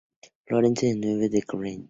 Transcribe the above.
Florece de noviembre a diciembre.